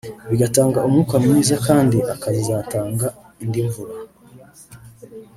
bigatanga umwuka mwiza kandi akazatanda indi mvura